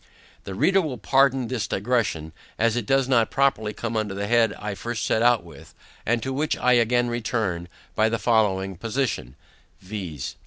The reader will pardon this digression, as it does not properly come under the head I first set out with, and to which I again return by the following position, viz.